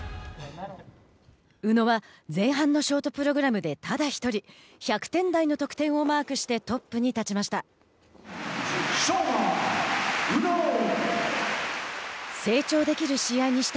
宇野は、前半のショートプログラムでただ１人１００点台の得点をマークしてトップに立ちました。